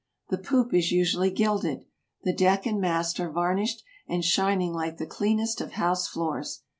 The poop is usually gilded. The deck and mast are varnished and shining like the cleanest of house floors.